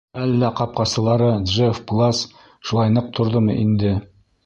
Әллә ҡапҡасылары Джефф Гласс шулай ныҡ торҙомо инде...